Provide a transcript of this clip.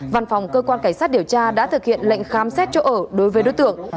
văn phòng cơ quan cảnh sát điều tra đã thực hiện lệnh khám xét chỗ ở đối với đối tượng